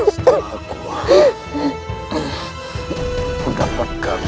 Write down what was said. setelah aku mendapatkanmu